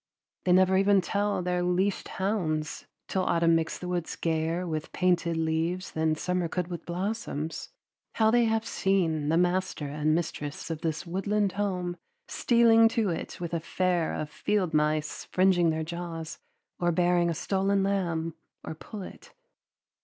They never tell even their leashed hounds till autumn makes the woods gayer with painted leaves than summer could with blossoms, how they have seen the master and mistress of this woodland home stealing to it with a fare of field mice fringing their jaws or bearing a stolen lamb or pullet.